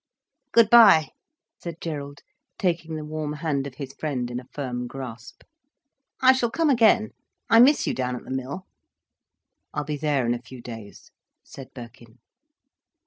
"Good bye," said Gerald, taking the warm hand of his friend in a firm grasp. "I shall come again. I miss you down at the mill." "I'll be there in a few days," said Birkin.